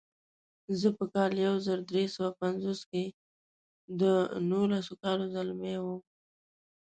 زه په کال یو زر درې سوه پنځوس کې د نولسو کالو ځلمی وم.